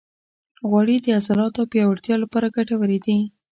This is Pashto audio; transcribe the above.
غوړې د عضلاتو پیاوړتیا لپاره ګټورې دي.